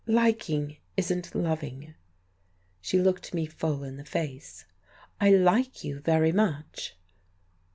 "'Liking' isn't loving." She looked me full in the face. "I like you very much."